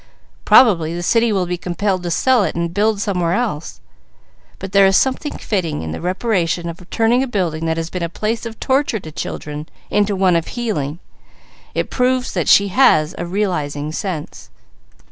Probably the city will be compelled to sell it and build somewhere else. But there is something fitting in the reparation of turning a building that has been a place of torture to children, into one of healing. It proves that she has a realizing sense."